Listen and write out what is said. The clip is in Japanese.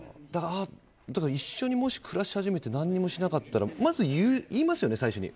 一緒にもし暮らし始めて何もしなかったらまず言いますよね、最初に。